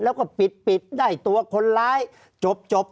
ภารกิจสรรค์ภารกิจสรรค์